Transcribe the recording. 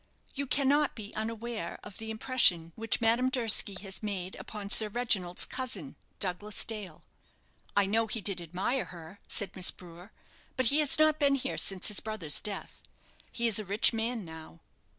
"You cannot be unaware of the impression which Madame Durski has made upon Sir Reginald's cousin, Douglas Dale." "I know he did admire her," said Miss Brewer, "but he has not been here since his brother's death. He is a rich man now."